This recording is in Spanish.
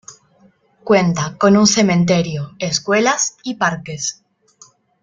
Cuenta con un Cementerio, escuelas y parques.